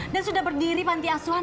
dan sudah berdiri panti asuhan